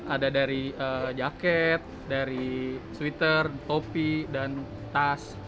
ada dari jaket dari sweater topi dan tas